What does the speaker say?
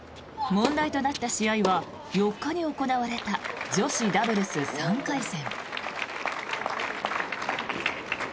問題となった試合は４日に行われた女子ダブルス３回戦。